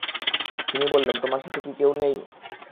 তিনি বললেন, তোমার সাথে কি কেউ নেই?